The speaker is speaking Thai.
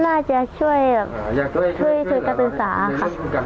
น่าจะช่วยช่วยการศึกษาค่ะ